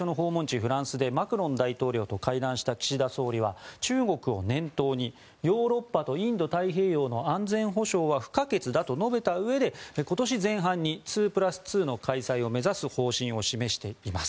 フランスでマクロン大統領と会談した岸田総理は中国を念頭に、ヨーロッパとインド太平洋の安全保障は不可欠だと述べたうえで今年前半に２プラス２の開催を目指す方針を示しています。